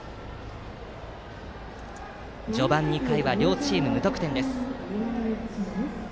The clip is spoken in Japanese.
序盤２回は両チーム無得点です。